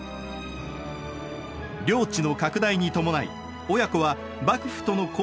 領地の拡大に伴い親子は幕府との交渉のため度々上洛。